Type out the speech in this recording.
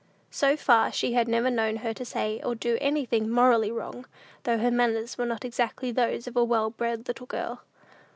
So far she had never known her to say or do anything morally wrong, though her manners were not exactly those of a well bred little girl.